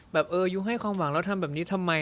แบบเออยูให้ความหวังแล้วทำแบบนี้ทำไม